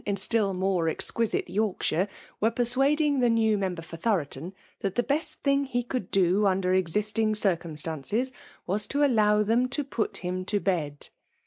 ^n atiU more exquisite Yorkshire, were per' fiuading the new member for Thoroton, tbl^ the best thing he could do under existing caiy cumstances was to allow them to put him to bed.